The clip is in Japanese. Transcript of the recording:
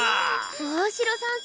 大城さん